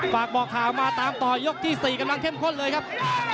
ฝากบอกข่าวมาตามต่อยกที่๔กำลังเข้มข้นเลยครับ